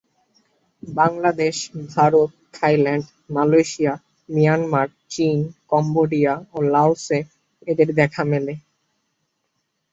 Bangladesh, Bharat, Thailand, Malaysia, Myanmar, চীন, Cambodia ও লাওসে এদের দেখা মেলে।